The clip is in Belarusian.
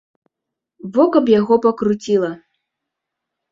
Во, каб яго пакруціла.